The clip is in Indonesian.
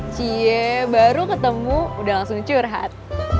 cie baru ketemu udah langsung curhat